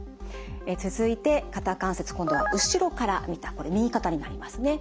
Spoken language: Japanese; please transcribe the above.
続いて肩関節今度は後ろから見たこれ右肩になりますね。